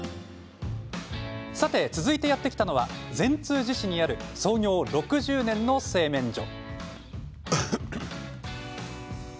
さて、続いてやって来たのは善通寺市にある創業６０年の製麺所。